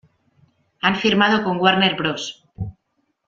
Han firmado con Warner Bros.